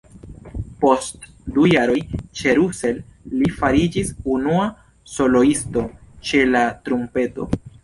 Post du jaroj ĉe Russell li fariĝis unua soloisto ĉe la trumpeto.